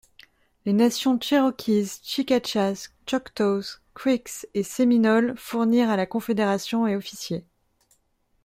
Les nations Cherokees, Chicachas, Choctaws, Creeks et Séminoles fournirent à la Confédération et officiers.